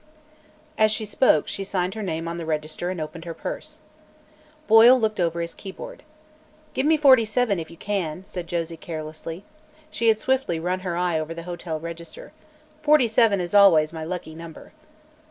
As she spoke, she signed her name on the register and opened her purse. Boyle looked over his keyboard. "Give me 47, if you can," said Josie carelessly. She had swiftly run her eye over the hotel register. "Forty seven is always my lucky number."